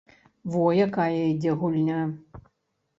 Во якая ідзе гульня!